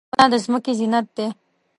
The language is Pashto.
• ونه د ځمکې زینت دی.